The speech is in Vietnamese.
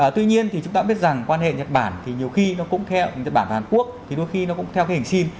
tuy nhiên thì chúng ta biết rằng quan hệ nhật bản thì nhiều khi nó cũng theo nhật bản và hàn quốc thì đôi khi nó cũng theo cái hình sim